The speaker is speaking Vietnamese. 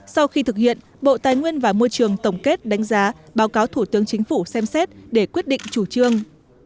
sau khi thực hiện bộ tài nguyên và môi trường tổng kết đánh giá báo cáo thủ tướng chính phủ xem xét để quyết định chủ trương